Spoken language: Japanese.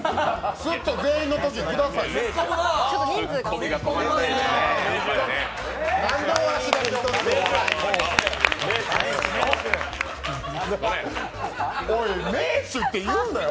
すっと全員のとき、くださいよ。